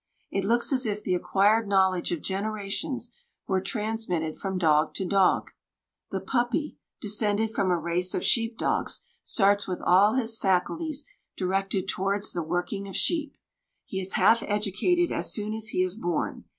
It looks as if the acquired knowledge of generations were transmitted from dog to dog. The puppy, descended from a race of sheep dogs, starts with all his faculties directed towards the working of sheep; he is half educated as soon as he is born.